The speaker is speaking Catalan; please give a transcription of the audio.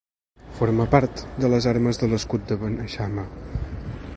Forma part de les armes de l'escut de Beneixama.